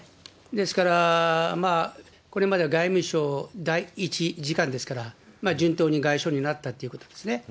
ですから、これまでは外務省第一次官ですから、順当に外相になったってことですね。